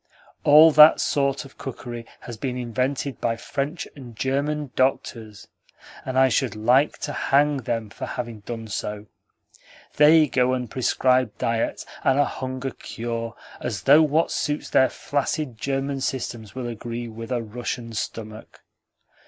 All that sort of cookery has been invented by French and German doctors, and I should like to hang them for having done so. They go and prescribe diets and a hunger cure as though what suits their flaccid German systems will agree with a Russian stomach!